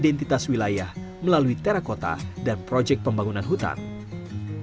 ketertarikan itu juga lah yang mengantarkan dirinya menerima undangan untuk melanjutkan studi